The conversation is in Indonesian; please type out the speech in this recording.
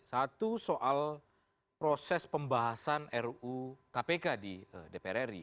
satu soal proses pembahasan ruu kpk di dpr ri